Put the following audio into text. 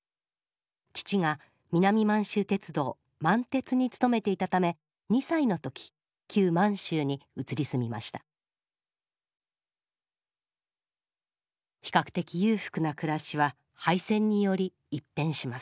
父が南満州鉄道満鉄に勤めていたため２歳の時旧満州に移り住みました比較的裕福な暮らしは敗戦により一変します。